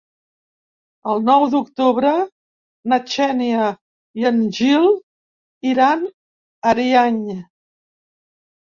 El nou d'octubre na Xènia i en Gil iran a Ariany.